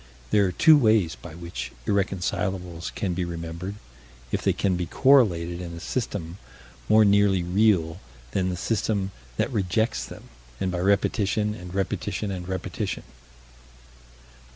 There are two ways by which irreconcilables can be remembered if they can be correlated in a system more nearly real than the system that rejects them and by repetition and repetition and repetition.